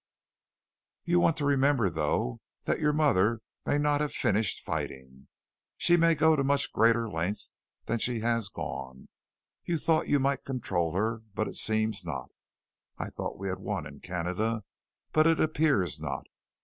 "You want to remember, though, that your mother may not have finished fighting. She may go to much greater lengths than she has gone. You thought you might control her, but it seems not. I thought we had won in Canada, but it appears not.